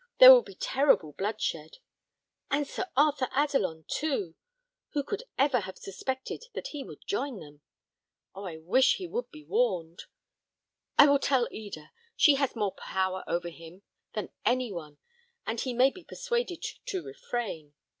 There will be terrible bloodshed! And Sir Arthur Adelon, too; who could ever have suspected that he would join them? Oh, I wish he would be warned! I will tell Eda. She has more power over him than any one, and he may be persuaded to refrain.